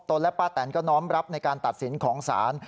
ตนและพ่อแต่นก็น้อมรับในการตัดสินของสาร